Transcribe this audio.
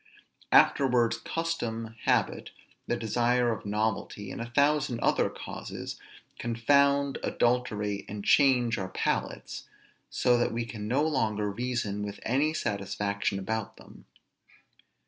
Afterwards custom, habit, the desire of novelty, and a thousand other causes, confound, adulterate, and change our palates, so that we can no longer reason with any satisfaction about them.